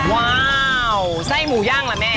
ว้าวไส้หมูย่างล่ะแม่